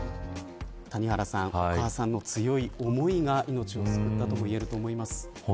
お母さんの強い思いが命を救ったといえると思います。